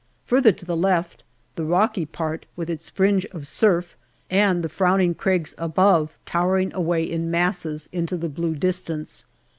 Further to the left, the rocky part with its fringe of surf, and the frowning crags above towering away in masses into the blue distance.